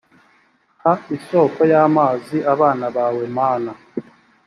ha isoko y amazi abana bawe mana